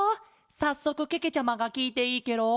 さっそくけけちゃまがきいていいケロ？